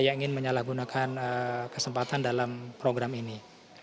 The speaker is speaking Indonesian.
yang ingin menyalahgunakan kesempatan dalam program ini